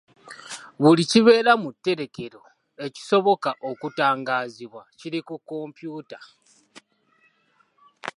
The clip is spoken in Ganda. Buli kibeera mu tterekero ekisoboka okutangaazibwa kiri ku kompyuta.